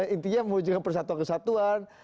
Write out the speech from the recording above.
intinya mau juga persatuan kesatuan